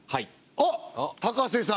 あっ高瀬さん！